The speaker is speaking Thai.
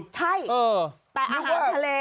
ใช่แต่อาหารทะเล